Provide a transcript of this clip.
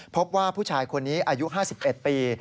พบว่าผู้ชายคนนี้อายุ๕๑ปี